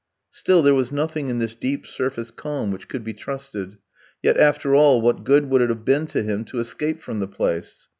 Still, there was nothing in this deep surface calm which could be trusted; yet, after all, what good would it have been to him to escape from the place?